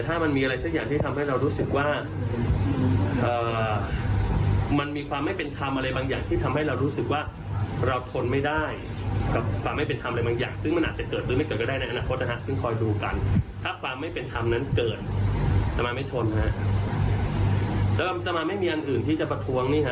ถ้าความไม่เป็นธรรมนั้นเกิดตามันไม่ทน